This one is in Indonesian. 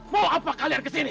mau apa kalian kesini